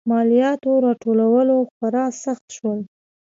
مالیاتو راټولول خورا سخت شول.